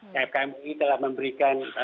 fkmui telah memberikan